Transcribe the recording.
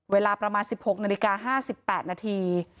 เวลาประมาณ๑๖นาฬิกา๕๘นาที